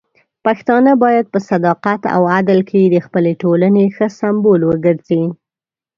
پښتانه بايد په صداقت او عدل کې د خپلې ټولنې ښه سمبول وګرځي.